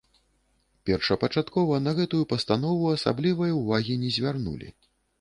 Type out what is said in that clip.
Першапачаткова на гэтую пастанову асаблівай увагі не звярнулі.